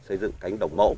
xây dựng cánh đồng mộ